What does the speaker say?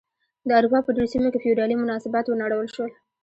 د اروپا په ډېرو سیمو کې فیوډالي مناسبات ونړول شول.